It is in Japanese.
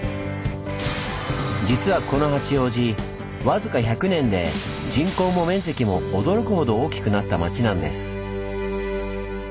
実はこの八王子僅か１００年で人口も面積も驚くほど大きくなった町なんです。